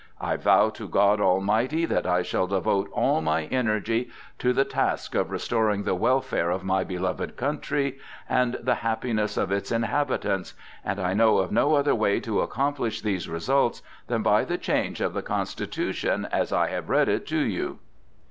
I vow to God Almighty that I shall devote all my energy to the task of restoring the welfare of my beloved country and the happiness of its inhabitants, and I know of no other way to accomplish these results than by the change of the constitution as I have read it to you."